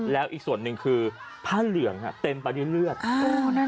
แล้วอีกส่วนหนึ่งคือผ้าเหลืองเต็มไปด้วยเลือด